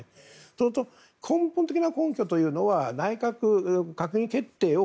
それと根本的な根拠というのは内閣閣議決定を